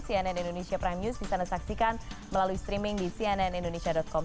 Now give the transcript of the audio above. cnn indonesia prime news bisa anda saksikan melalui streaming di cnnindonesia com